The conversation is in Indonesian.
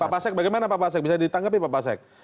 pak pasek bagaimana pak pasek bisa ditanggapi pak pasek